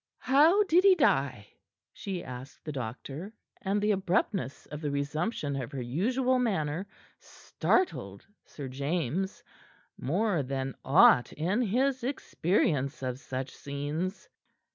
"How did he die?" she asked the doctor; and the abruptness of the resumption of her usual manner startled Sir James more than aught in his experience of such scenes.